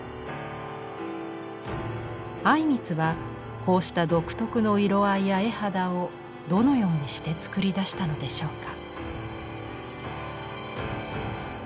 靉光はこうした独特の色合いや絵肌をどのようにして作り出したのでしょうか。